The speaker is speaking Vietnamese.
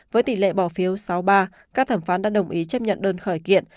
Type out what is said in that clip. với tỷ lệ bỏ phiếu sáu ba các thẩm phán đã đồng ý chấp nhận đơn khởi kiện